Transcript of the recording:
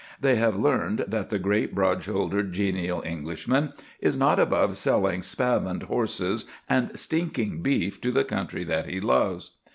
They have learned that the great, broad shouldered, genial Englishman is not above selling spavined horses and stinking beef to the country that he loves.